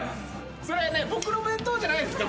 それ僕の弁当じゃないんすか？